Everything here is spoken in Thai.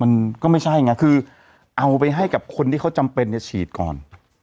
มันก็ไม่ใช่ไงคือเอาไปให้กับคนที่เขาจำเป็นจะฉีดก่อน